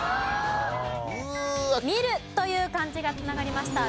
「見る」という漢字が繋がりました。